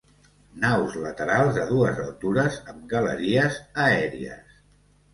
Naus laterals a dues altures amb galeries aèries.